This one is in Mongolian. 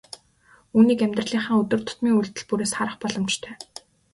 Үүнийг амьдралынхаа өдөр тутмын үйлдэл бүрээс харах боломжтой.